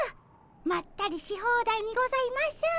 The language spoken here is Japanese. まったりし放題にございます。